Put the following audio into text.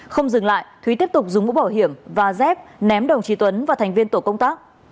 không dừng lại thúy tiếp tục dùng mũ bảo hiểm và dép ném đồng chí tuấn và thành viên tổ công tác